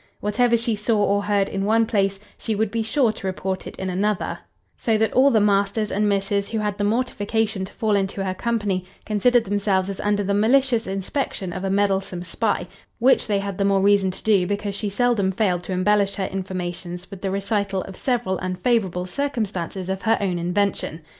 Whatever she saw or heard in one place, she would be sure to report it in another; so that all the masters and misses who had the mortification to fall into her company, considered themselves as under the malicious inspection of a meddlesome spy; which they had the more reason to do, because she seldom failed to embellish her informations with the recital of several unfavourable circumstances of her own invention."